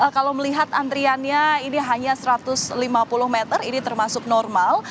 kalau melihat antriannya ini hanya satu ratus lima puluh meter ini termasuk normal